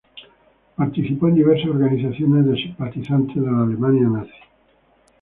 Participó en diversas organizaciones de simpatizantes de la Alemania Nazi.